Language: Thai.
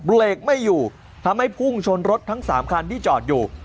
เบรกไม่อยู่ทำให้พุ่งชนรถทั้ง๓คันที่จอดอยู่